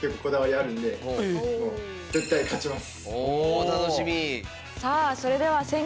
お楽しみ。